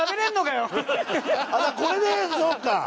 これでそっか。